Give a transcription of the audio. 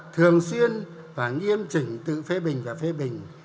thường xuyên và nghiêm trình tự phê bình và phê bình